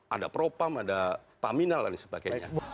ada propam ada paminal dan sebagainya